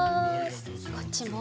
こっちも。